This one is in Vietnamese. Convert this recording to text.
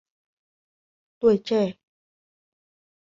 Tuổi trẻ